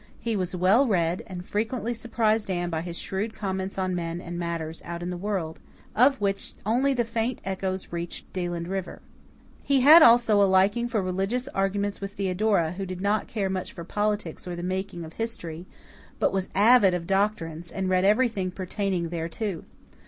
He was well read, and frequently surprised Anne by his shrewd comments on men and matters out in the world, of which only the faint echoes reached Deland River. He had also a liking for religious arguments with Theodora, who did not care much for politics or the making of history, but was avid of doctrines, and read everything pertaining thereto.